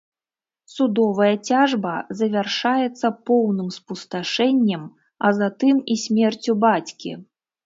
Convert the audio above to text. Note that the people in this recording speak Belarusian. Судовая цяжба завяршаецца поўным спусташэннем, а затым і смерцю бацькі.